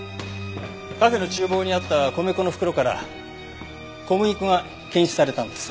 カフェの厨房にあった米粉の袋から小麦粉が検出されたんです。